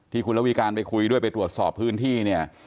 คุณระวิการไปคุยด้วยไปตรวจสอบพื้นที่เนี่ย